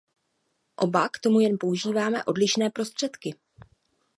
Oba k tomu jen používáme odlišné prostředky.